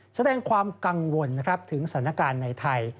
แสดงความกังวลนะครับถึงสถานการณ์ในไทย